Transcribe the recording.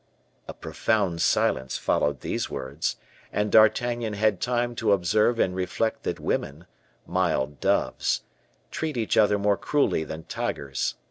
A profound silence followed these words; and D'Artagnan had time to observe and reflect that women mild doves treat each other more cruelly than tigers.